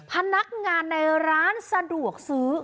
พนักงานในร้านสะดวกซื้อ